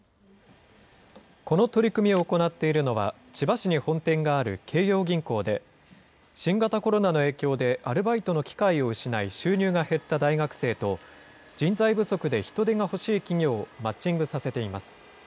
この取り組みを行っているのは、千葉市に本店がある京葉銀行で、新型コロナの影響でアルバイトの機会を失い収入が減った大学生と、人材不足で人手が欲しい企業をマッチングさせています。